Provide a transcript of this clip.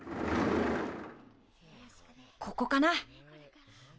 ここかな。